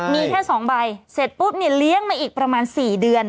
มีแค่๒ใบเสร็จปุ๊บเนี่ยเลี้ยงมาอีกประมาณ๔เดือน